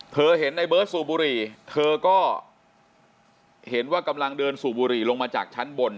เห็นในเบิร์ตสูบบุหรี่เธอก็เห็นว่ากำลังเดินสูบบุหรี่ลงมาจากชั้นบน